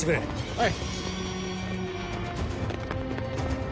はい。